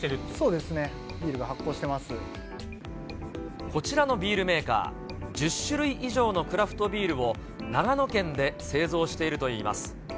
そうですね、ビールが発酵しこちらのビールメーカー、１０種類以上のクラフトビールを長野県で製造しているといいます。